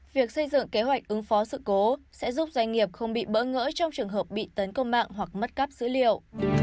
việc xây dựng kế hoạch ứng phó sự cố sẽ giúp doanh nghiệp không bị bỡ ngỡ trong trường hợp bị tấn công mạng hoặc mất cắp dữ liệu